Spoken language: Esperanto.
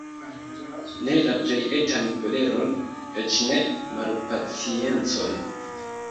Ne la plej etan koleron, eĉ ne malpaciencon.